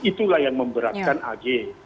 itulah yang memberatkan ag